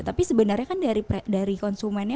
tapi sebenarnya kan dari konsumennya